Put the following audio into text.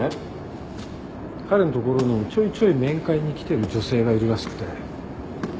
彼の所にちょいちょい面会に来てる女性がいるらしくて。